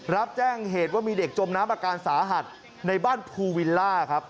รับแจ้งเหตุว่ามีเด็กจมน้ำอาการสาหัสในบ้านภูวิลล่าครับ